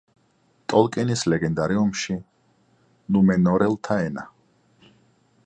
ტოლკინის ლეგენდარიუმში ნუმენორელთა ენა.